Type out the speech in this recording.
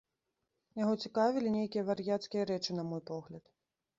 Яго цікавілі нейкія вар'яцкія рэчы, на мой погляд.